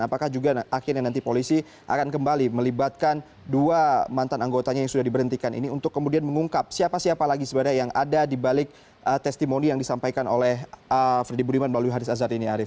apakah juga akhirnya nanti polisi akan kembali melibatkan dua mantan anggotanya yang sudah diberhentikan ini untuk kemudian mengungkap siapa siapa lagi sebenarnya yang ada di balik testimoni yang disampaikan oleh freddy budiman melalui haris azhar ini arief